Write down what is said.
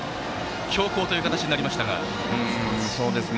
強攻という形になりましたが。